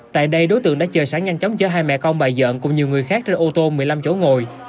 tại đây đối tượng đã chờ sáng nhanh chóng chở hai mẹ con bà dợn cùng nhiều người khác trên ô tô một mươi năm chỗ ngồi